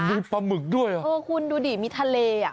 มีปลาหมึกด้วยเหรอเออคุณดูดิมีทะเลอ่ะ